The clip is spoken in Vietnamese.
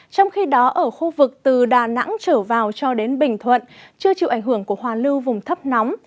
trong khi đó ở khu vực từ đà nẵng trở vào cho đến bình thuận chưa chịu ảnh hưởng của hoa lưu vùng thấp nóng